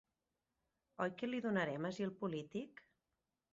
Oi que li donarem asil polític?